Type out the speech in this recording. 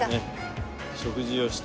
食事をして。